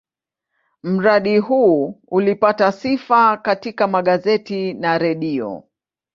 Mradi huu ulipata sifa katika magazeti na redio.